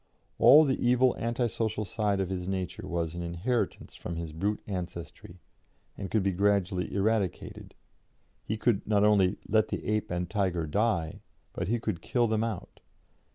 All the evil, anti social side of his nature was an inheritance from his brute ancestry, and could be gradually eradicated; he could not only "let the ape and tiger die," but he could kill them out."